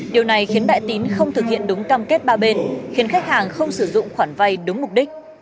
điều này khiến đại tín không thực hiện đúng cam kết ba bên khiến khách hàng không sử dụng khoản vay đúng mục đích